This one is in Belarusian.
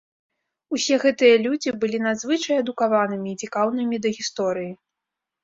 Усе гэтыя людзі былі надзвычай адукаванымі і цікаўнымі да гісторыі.